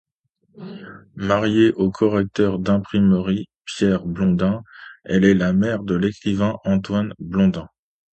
Mariée au correcteur d'imprimerie Pierre Blondin, elle est la mère de l'écrivain Antoine Blondin.